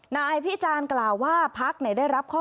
นายพี่จานกล่าวค่ะว่า